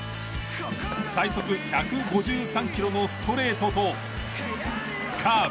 最速１５３キロのストレートとカーブ